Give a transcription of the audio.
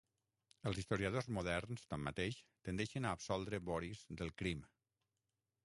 Els historiadors moderns, tanmateix, tendeixen a absoldre Boris del crim.